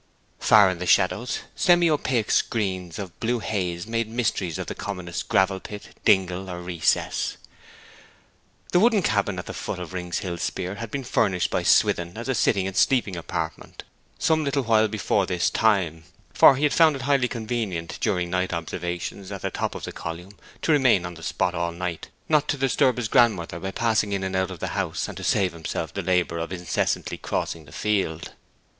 Far in the shadows semi opaque screens of blue haze made mysteries of the commonest gravel pit, dingle, or recess. The wooden cabin at the foot of Rings Hill Speer had been furnished by Swithin as a sitting and sleeping apartment, some little while before this time; for he had found it highly convenient, during night observations at the top of the column, to remain on the spot all night, not to disturb his grandmother by passing in and out of the house, and to save himself the labour of incessantly crossing the field.